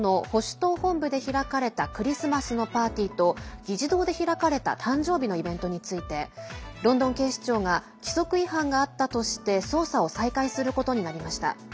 党本部で開かれたクリスマスのパーティーと議事堂で開かれた誕生日のイベントについてロンドン警視庁が規則違反があったとして捜査を再開することになりました。